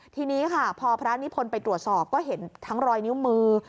ทีนี้ค่ะพอพระนิพนธ์ไปตรวจสอบก็เห็นทั้งรอยนิ้วมือ